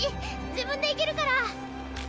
自分で行けるから。